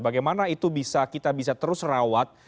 bagaimana itu bisa kita bisa terus rawat